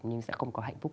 nhưng sẽ không có hạnh phúc